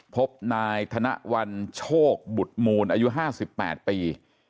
พบนายธนวัลโชคบุตรมูลอายุ๕๘ปี